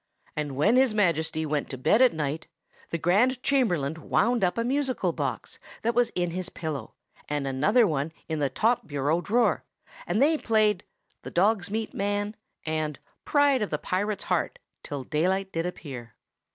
And when His Majesty went to bed at night, the grand chamberlain wound up a musical box that was in his pillow, and another one in the top bureau drawer, and they played "The Dog's meat Man" and "Pride of the Pirate's Heart" till daylight did appear.